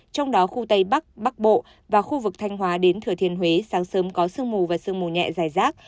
trong đó khu tây bắc bắc bộ và khu vực thanh hóa đến thừa thiên huế sáng sớm có sương mù và sương mù nhẹ dài rác